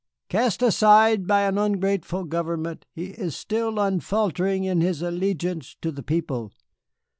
"Cast aside by an ungrateful government, he is still unfaltering in his allegiance to the people.